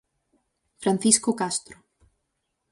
Francisco Castro.